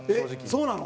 そうなの？